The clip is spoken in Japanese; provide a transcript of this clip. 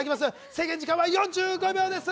制限時間は４５秒です。